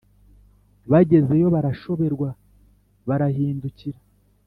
Bagezeyo barashoberwa, barahindukira